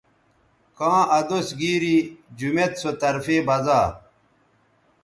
کاں ادوس گیری جمیت سو طرفے بزا